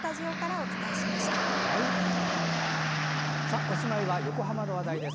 おしまいは横浜の話題です。